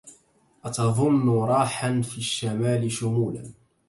أتظن راحا في الشمال شمولا